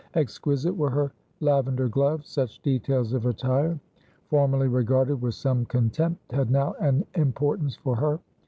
Exquisite were her lavender gloves. Such details of attire, formerly regarded with some contempt, had now an importance for her.